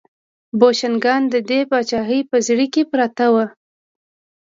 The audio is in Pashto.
بوشنګان د دې پاچاهۍ په زړه کې پراته وو.